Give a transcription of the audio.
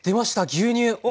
牛乳！